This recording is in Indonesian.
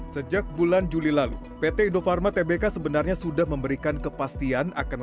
sejak bulan juli lalu pt indofarma tbk sebenarnya sudah memberikan kepastian akan